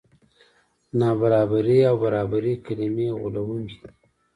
نابرابري او برابري کلمې غولوونکې دي.